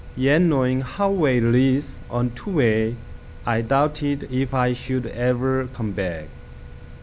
Yet knowing how way leads on to way,I doubted if I should ever come back.